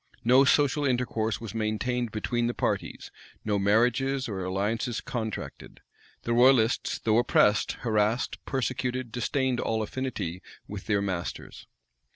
No social intercourse was maintained between the parties; no marriages or alliances contracted. The royalists, though oppressed, harassed, persecuted, disdained all affinity with their masters.